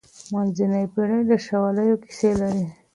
منځنۍ پېړۍ د شواليو کيسې لري.